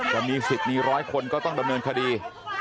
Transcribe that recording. จะมีสิทธิ์มีร้อยคนก็ต้องดำเนินคดี